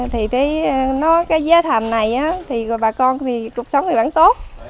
thì cái giá thầm này thì bà con thì cuộc sống thì vẫn tốt